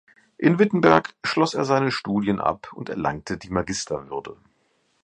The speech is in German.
In Wittenberg schloss er seine Studien ab und erlangte die Magisterwürde.